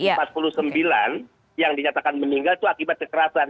apakah benar satu ratus empat puluh sembilan yang dinyatakan meninggal itu akibat kekerasan